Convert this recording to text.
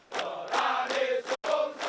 doran isu punca